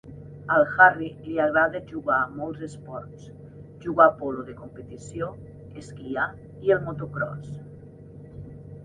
Al Harry li agrada jugar a molts esports, jugar a polo de competició, esquiar i el motocròs.